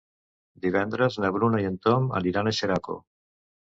Divendres na Bruna i en Ton aniran a Xeraco.